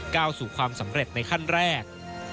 ก้าวสู่ความสำเร็จในขั้นแรก